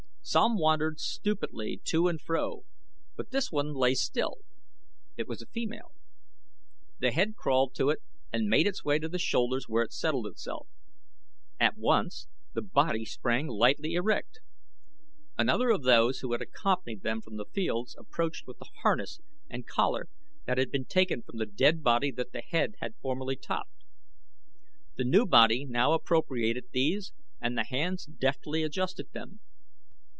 Some wandered stupidly to and fro, but this one lay still. It was a female. The head crawled to it and made its way to the shoulders where it settled itself. At once the body sprang lightly erect. Another of those who had accompanied them from the fields approached with the harness and collar that had been taken from the dead body that the head had formerly topped. The new body now appropriated these and the hands deftly adjusted them.